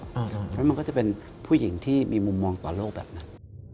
เพราะฉะนั้นมันก็จะเป็นผู้หญิงที่มีมุมมองต่อโลกแบบนั้น